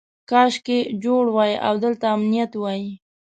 کاشکې جوړ وای او دلته امنیت وای.